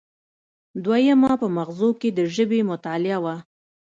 دویمه په مغزو کې د ژبې مطالعه وه